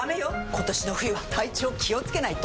今年の冬は体調気をつけないと！